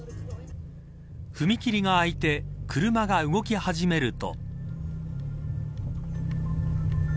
踏切が開いて車が動き始めると。